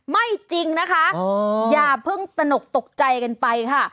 ไม่จริงนะคะอย่าเพิ่งตนกตกใจกันไปค่ะ